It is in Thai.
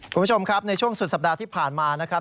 คุณผู้ชมครับในช่วงสุดสัปดาห์ที่ผ่านมานะครับ